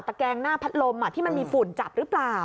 แกงหน้าพัดลมที่มันมีฝุ่นจับหรือเปล่า